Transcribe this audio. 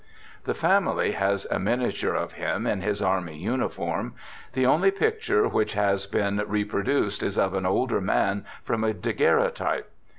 The family has a miniature of him in his army uniform; the only picture which has been repro duced is of an olaer man from a daguerreotype.